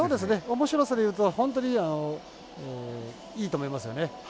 おもしろさで言うと本当にいいと思いますよね。